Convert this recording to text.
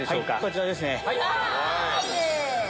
こちらですね。